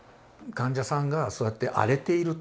患者さんがそうやって荒れている。